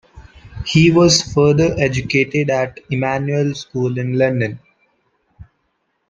He was further educated at Emanuel School in London.